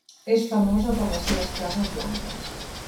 És famosa per les seves cases blanques.